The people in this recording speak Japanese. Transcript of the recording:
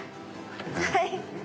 はい。